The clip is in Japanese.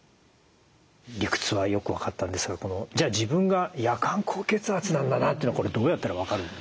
理屈はよく分かったんですがじゃあ自分が夜間高血圧なんだなというのはこれどうやったら分かるんですか？